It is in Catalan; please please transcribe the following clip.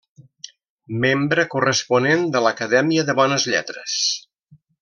Membre corresponent de l'Acadèmia de Bones Lletres.